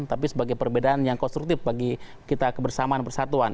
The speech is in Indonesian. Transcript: tapi sebagai perbedaan yang konstruktif bagi kita kebersamaan persatuan